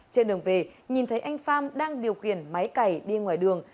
trên đường về nhìn thấy anh pham đang điều khiển máy cẩy đi ngoài đường